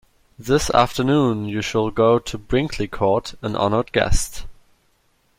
This afternoon you shall go to Brinkley Court, an honoured guest.